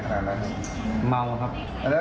พระคุณที่อยู่ในห้องการรับผู้หญิง